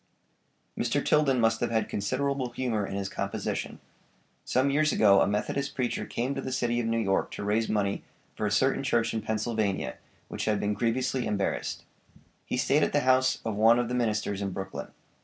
Mr. Tilden must have had considerable humor in his composition. Some years ago a Methodist preacher came to the city of New York to raise money for a certain church in Pennsylvania which had been grievously embarrassed. He stayed at the house of one of the ministers in Brooklyn.